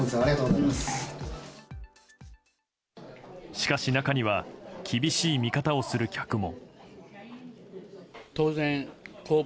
しかし中には厳しい見方をする客も。